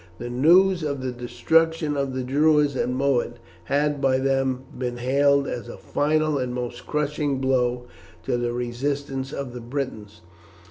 The news of the destruction of the Druids at Mona had by them been hailed as a final and most crushing blow to the resistance of the Britons.